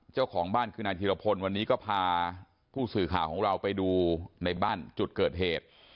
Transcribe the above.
เจ้าของบ้านคือนายธิรพลวันนี้ก็พาผู้สื่อข่าวของเราไปดูในบ้านจุดเกิดเหตุ